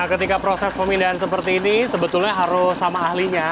nah ketika proses pemindahan seperti ini sebetulnya harus sama ahlinya